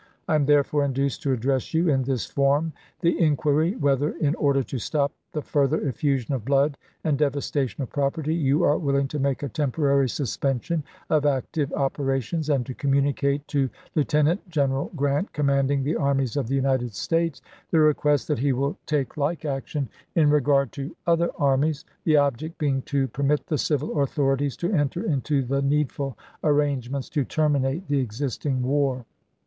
I am therefore induced to address you, in this form, the inquiry whether, in order to stop the further effusion of blood and devastation of property, you are willing to make a temporary suspension of active operations, and to communicate to Lieuten ant General Grant, commanding the armies of the United States, the request that he will take like action "JNa?rat£e in regard to other armies — the object being to per of^)1erta^y mit the civil authorities to enter into the needful p.°S». arrangements to terminate the existing war."